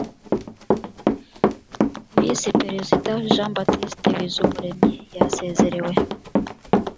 visi perezida jean baptiste bizumuremyi yasezerewe